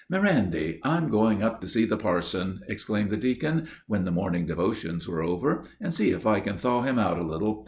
"Mirandy, I'm going up to see the parson," exclaimed the deacon, when the morning devotions were over, "and see if I can thaw him out a little.